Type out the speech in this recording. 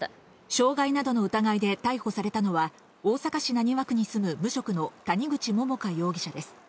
傷害などの疑いで逮捕されたのは、大阪市浪速区に住む無職の谷口桃花容疑者です。